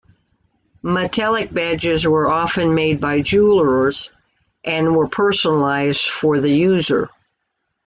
Metallic badges were often made by jewelers and were personalized for the user.